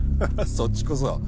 そっちこそ。